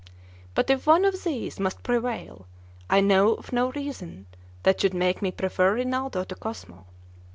But if one of these must prevail, I know of no reason that should make me prefer Rinaldo to Cosmo.